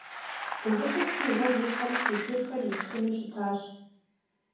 Дыгъужьыр си гъуэм ихьэри си шырхэр ишхыну щытащ!